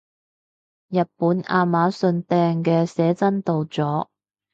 日本亞馬遜訂嘅寫真到咗